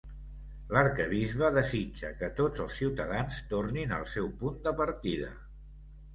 L'arquebisbe desitja que tots els ciutadans tornin al seu punt de partida.